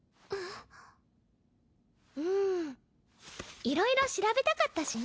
んんいろいろ調べたかったしね。